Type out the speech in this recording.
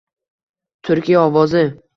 Turkiya ovozi